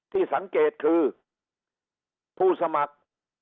ที่สังเกตคือผู้สมัคร